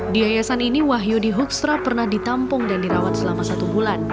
di yayasan ini wahyu di hoekstra pernah ditampung dan dirawat selama satu bulan